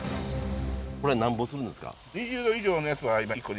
これなんぼするんですか？